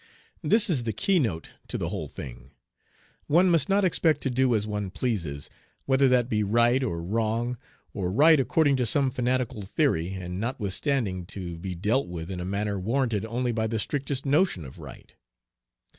This is the keynote to the whole thing. One must not expect to do as one pleases, whether that be right or wrong, or right according to some fanatical theory, and notwithstanding to be dealt with in a manner warranted only by the strictest notion of right.